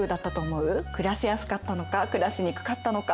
暮らしやすかったのか暮らしにくかったのか。